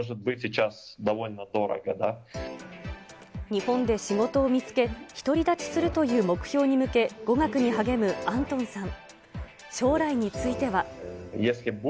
日本で仕事を見つけ、独り立ちするという目標に向け、語学に励むアントンさん。